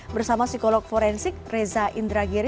bersama psikolog forensik reza indragiri